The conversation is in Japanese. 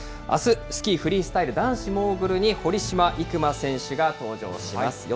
あす、スキーフリースタイル男子モーグルに堀島行真選手が登場します。